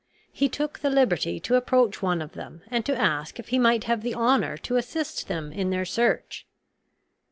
He took the liberty to approach one of them, and to ask if he might have the honor to assist them in their search.